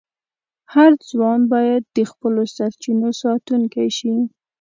هر ځوان باید د خپلو سرچینو ساتونکی شي.